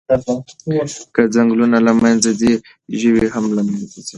که ځنګلونه له منځه ځي، ژوي هم له منځه ځي.